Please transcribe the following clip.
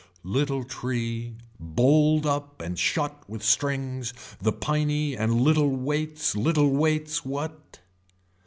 Little tree, bold up and shut with strings the piney and little weights little weights what.